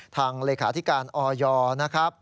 เลขาธิการออยนะครับ